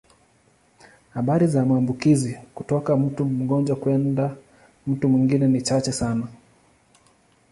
Habari za maambukizo kutoka mtu mgonjwa kwenda mtu mwingine ni chache sana.